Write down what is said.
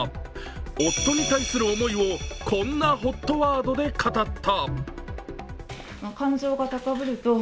夫に対する思いをこんなＨＯＴワードで語った。